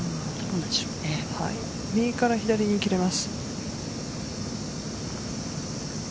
右から左に切れます。